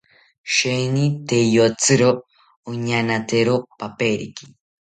Sheeni tee iyotziro oñaanatero paperiki